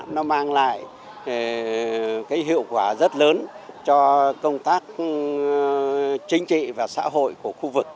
nó mang lại cái hiệu quả rất lớn cho công tác chính trị và xã hội của khu vực